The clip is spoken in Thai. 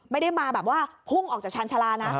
ไม่ได้มาแบบว่าพุ่งออกจากชาญชาลานะ